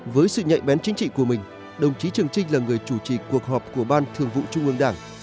với sự nhạy bén chính trị của mình đồng chí trường trinh là người chủ trì cuộc họp của ban thường vụ trung ương đảng